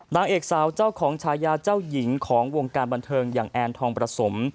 นางเอกสาวเจ้าของชายาเจ้าหญิงของวงการบันเทิงอย่างแอนทองประสม